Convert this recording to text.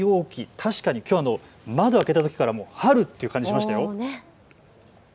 確かにきょう窓、開けたときから春という感じがしましたよ。